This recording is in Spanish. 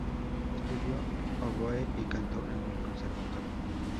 Estudió oboe y canto en el conservatorio.